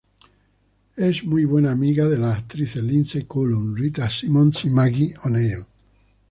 Es muy buena amiga de las actrices Lindsey Coulson, Rita Simons y Maggie O'Neill.